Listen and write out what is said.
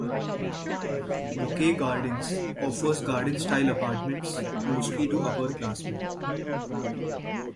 Bouquet Gardens offers garden style apartments mostly to upperclassmen.